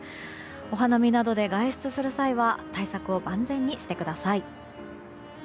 お花見などで外出する際は対策を万全にしてください。